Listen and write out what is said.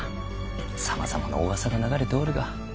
さまざまなお噂が流れておるが。